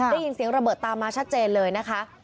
ได้ยินเสียงระเบิดตามมาชัดเจนเลยนะคะ